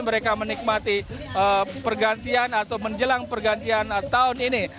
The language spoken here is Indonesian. mereka menikmati pergantian atau menjelang pergantian tahun ini